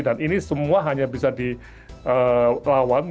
dan ini semua hanya bisa dilawan